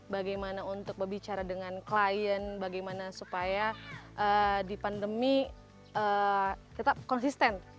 bagaimana untuk berbicara dengan klien bagaimana supaya di pandemi kita konsisten